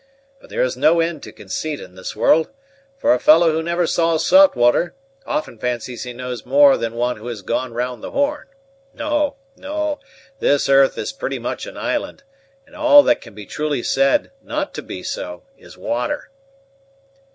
But there is no end to conceit in this world: for a fellow who never saw salt water often fancies he knows more than one who has gone round the Horn. No, no, this earth is pretty much an island; and all that can be truly said not to be so is water."